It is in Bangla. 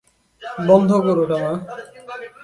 বন্ধ কর, ওটা মা!